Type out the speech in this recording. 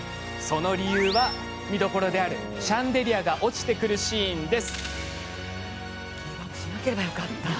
その理由は、見どころであるシャンデリアが落ちてくるシーン。